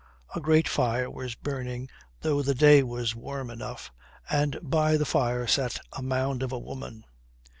A great fire was burning though the day was warm enough, and by the fire sat a mound of a woman.